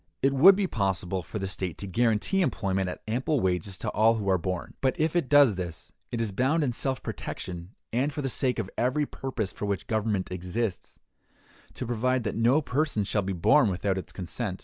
It would be possible for the state to guarantee employment at ample wages to all who are born. But if it does this, it is bound in self protection, and for the sake of every purpose for which government exists, to provide that no person shall be born without its consent.